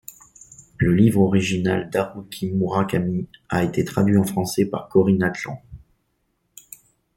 Le livre original d’Haruki Murakami a été traduit en français par Corinne Atlan.